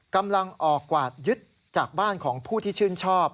กำลังออกกวาดยึดจากบ้านของผู้ที่ชื่นชอบ